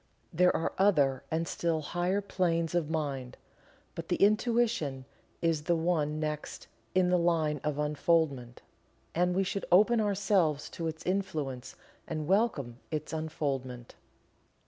There are other and still higher planes of mind, but the Intuition is the one next in the line of unfoldment, and we should open ourselves to its influence and welcome its unfoldment.